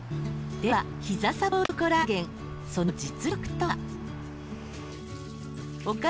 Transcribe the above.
ではひざサポートコラーゲンその実力とは？